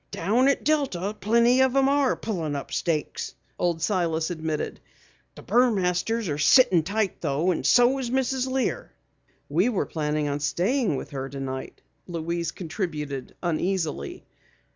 "Down at Delta plenty of 'em are pullin' up stakes," Old Silas admitted. "The Burmasters are sittin' tight though and so is Mrs. Lear." "We were planning on staying with her tonight," Louise contributed uneasily.